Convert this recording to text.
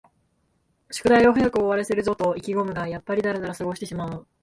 宿題を早く終わらせるぞと意気ごむが、やっぱりだらだら過ごしてしまう